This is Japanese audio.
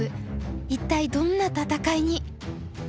一体どんな戦いに！